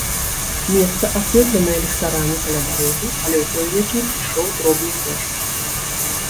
Месца асветленае ліхтарамі каля дарогі, але ў той вечар ішоў дробны дождж.